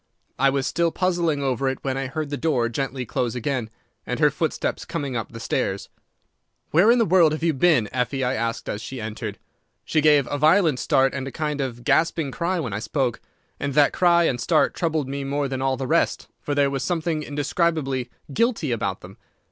I was still puzzling over it when I heard the door gently close again, and her footsteps coming up the stairs. "'Where in the world have you been, Effie?' I asked as she entered. "She gave a violent start and a kind of gasping cry when I spoke, and that cry and start troubled me more than all the rest, for there was something indescribably guilty about them.